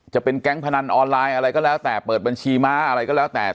จะเป็นแก๊งพนันออนไลน์อะไรก็แล้วแต่เปิดบัญชีม้าอะไรก็แล้วแต่